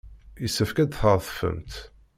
Yessefk ad d-tadfemt.